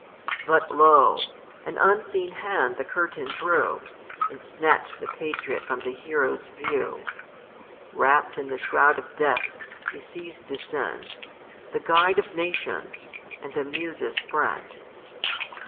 But lo ! an unseen hand the curtain drew. And snatch'd the patriot from the hero's view ; Wrapp'd in the shroud of death, he sees descend ■. The guide of nations and the muse's friend.